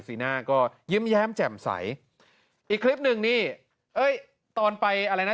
เสียงหน้าก็ยืมแย้มแจ่มใสอีกนึงนี่เฮ้ยตอนไปอะไรน่ะ